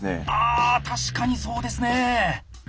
あ確かにそうですね。